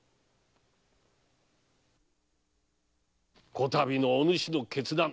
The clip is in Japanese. こたびのおぬしの決断。